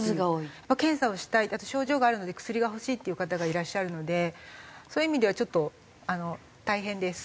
検査をしたいあと症状があるので薬が欲しいっていう方がいらっしゃるのでそういう意味ではちょっとあの大変です。